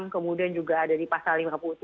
kemudian juga ada di pasal lima puluh tujuh